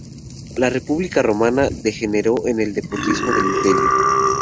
La República romana degeneró en el despotismo del Imperio.